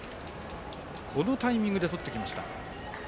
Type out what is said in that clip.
このタイミングでとってきました。